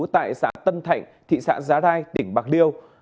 tại xã tân thạnh thị xã giá đai tỉnh bạc điêu